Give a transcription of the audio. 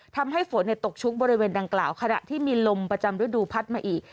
ทำให้ฝนตกชุกบริเวณดังกล่าวขณะที่มีลมประจำฤดูพัดมาอีก